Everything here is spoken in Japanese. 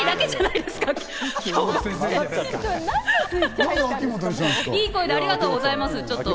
いい声でありがとうございます。